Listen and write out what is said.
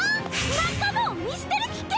仲間を見捨てる気け！？